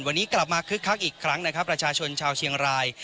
วันนี้กลับมาคึกคักอีกครั้งนะครับประชาชนชาวเชียงราย